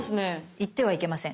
行ってはいけません。